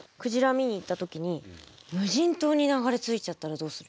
見に行った時に無人島に流れ着いちゃったらどうする？